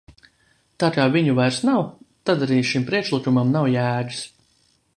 Tā kā viņu vairs nav, tad arī šim priekšlikumam nav jēgas.